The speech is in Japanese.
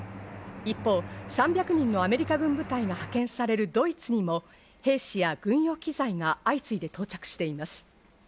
一方、３００人のアメリカ軍部隊が派遣されるドイツにも兵士や軍用機材が相次いで到着しています。